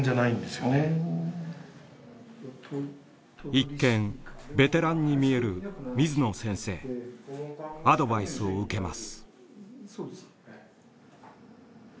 一見ベテランに見える水野先生アドバイスを受けます。